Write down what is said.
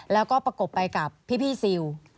แล้วก็ประกบไปกับพี่ซิล